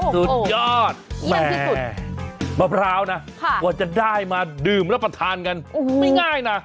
สุดยอดแม่แบบเรานะว่าจะได้มาดื่มแล้วประทานกันไม่ง่ายนะ